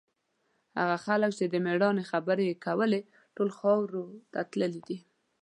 هغه خلک چې د مېړانې خبرې یې کولې، ټول خاورو ته تللي دي.